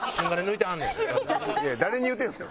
いや誰に言うてんですか。